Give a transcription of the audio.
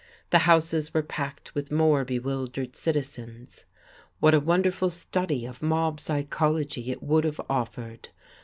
The houses were packed with more bewildered citizens. What a wonderful study of mob psychology it would have offered!